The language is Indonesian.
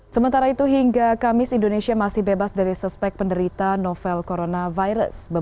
sementara itu hingga kamis indonesia masih bebas dari suspek penderita novel coronavirus